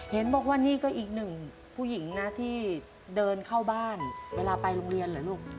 เห็นบอกว่านี่ก็อีกหนึ่งผู้หญิงนะที่เดินเข้าบ้านเวลาไปโรงเรียนเหรอลูก